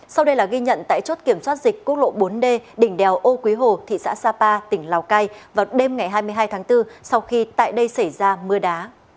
sau đây là ghi nhận tại chốt kiểm soát dịch quốc lộ bốn d đỉnh đèo ô quý hồ thị xã sapa tỉnh lào cai vào đêm ngày hai mươi hai tháng bốn sau khi tại đây xảy ra mưa đá